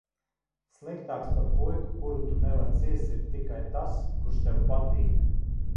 Sliktāks par puiku, kuru tu nevari ciest, ir tikai tas, kurš tev patīk?